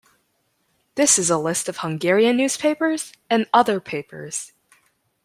This is a list of Hungarian newspapers and other papers.